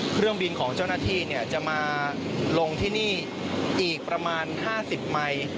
เครื่องบินของเจ้าหน้าที่จะมาลงที่นี่อีกประมาณ๕๐ไมค์